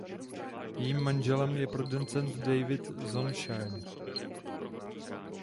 Jejím manželem je producent David Zonshine.